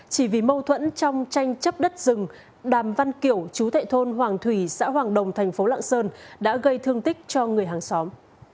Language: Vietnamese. chỉ vì mâu thuẫn trong tranh chấp đất rừng đàm văn kiểu chú tại thôn hoàng thủy xã hoàng đồng thành phố lạng sơn đã gây thương tích cho người hàng xóm